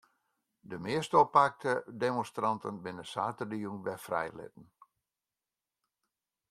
De measte oppakte demonstranten binne saterdeitejûn wer frijlitten.